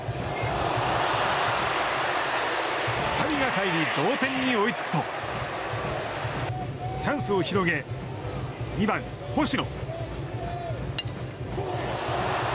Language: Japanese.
２人がかえり同点に追いつくとチャンスを広げ２番、星野。